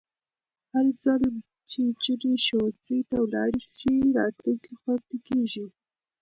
هرځل چې نجونې ښوونځي ته ولاړې شي، راتلونکی خوندي کېږي.